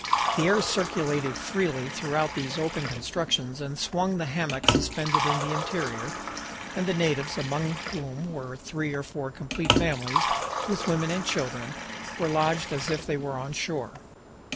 The air circulated freely throughout these open constructions and swung the hammock suspended in the interior, and the natives, among whom were three or four complete families, with women and children, were lodged as if they were on shore.